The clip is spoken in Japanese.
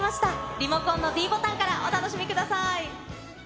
リモコンのｄボタンからお楽しみください。